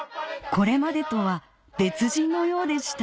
これまでとは別人のようでした